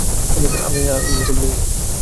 আমি খুব রোমাঞ্চিত।